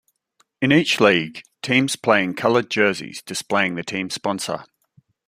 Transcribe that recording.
In each league, teams play in colored jerseys displaying the team sponsor.